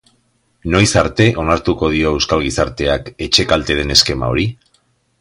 Noiz arte onartuko dio euskal gizarteak etxekalte den eskema hori?